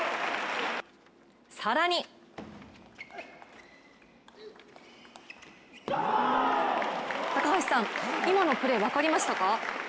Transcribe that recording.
更に高橋さん、今のプレー分かりましたか？